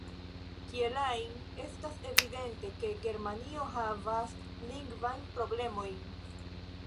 Kiel ajn, estas evidente, ke Germanio havas lingvajn problemojn.